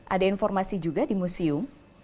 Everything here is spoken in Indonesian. ada informasi juga di museum